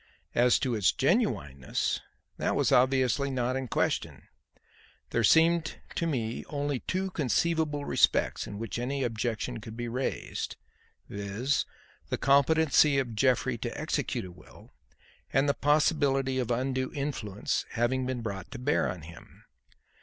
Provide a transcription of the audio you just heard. As to its genuineness, that was obviously not in question. There seemed to me only two conceivable respects in which any objection could be raised, viz. the competency of Jeffrey to execute a will and the possibility of undue influence having been brought to bear on him.